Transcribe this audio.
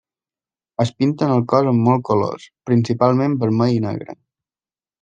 Es pinten el cos amb molts colors, principalment vermell i negre.